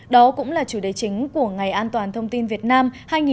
đó cũng là chủ đề chính của ngày an toàn thông tin việt nam hai nghìn một mươi chín